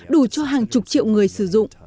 đủ cho hàng chục triệu người sử dụng